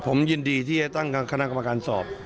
ผมยินดีที่จะตั้งคณะกรรมการสอบ